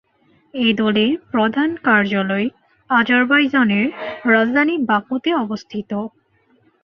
এই দলের প্রধান কার্যালয় আজারবাইজানের রাজধানী বাকুতে অবস্থিত।